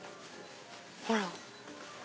ほら。